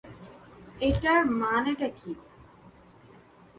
এটার মানেটা কী?